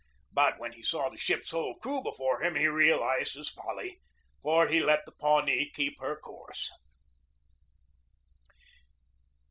But when he saw the ship's whole crew before him, he realized his folly, for he let the Pawnee keep her course.